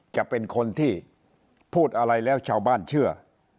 จะเป็นคนที่พูดอะไรแล้วชาวบ้านเชื่อ